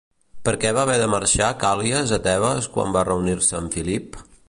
Per què va haver de marxar Càl·lies a Tebes quan va reunir-se amb Filip?